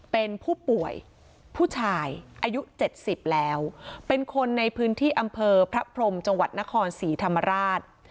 เป็นผู้ป่วยผู้ชายอายุ๗๐แล้วเป็นคนในพื้นที่อำเภอพระพรมจังหวัดนครศรีธรรมราช